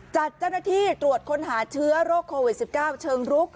จัดเจ้าหน้าที่ตรวจค้นหาเชื้อโรคโควิด๑๙เชิงรุก